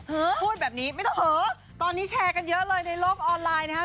พูดแบบนี้ไม่ต้องเผลอตอนนี้แชร์กันเยอะเลยในโลกออนไลน์นะครับ